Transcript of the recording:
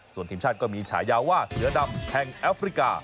ส่วนทีมชาติก็มีฉายาว่าเสือดำแห่งแอฟริกา